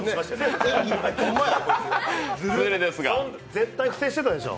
絶対不正してたでしょ？